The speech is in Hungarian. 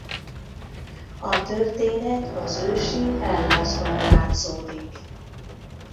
A történet az ősi Hellászban játszódik.